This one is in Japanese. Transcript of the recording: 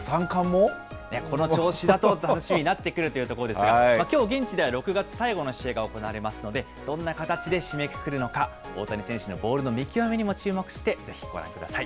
この調子だと楽しみになってくるというところですが、きょう、現地では６月最後の試合が行われますので、どんな形で締めくくるのか、大谷選手のボールの見極めにも注目して、ぜひご覧ください。